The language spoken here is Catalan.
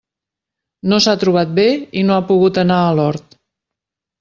No s'ha trobat bé i no ha pogut anar a l'hort.